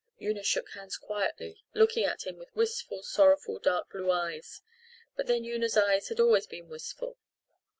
Una shook hands quietly, looking at him with wistful, sorrowful, dark blue eyes. But then Una's eyes had always been wistful.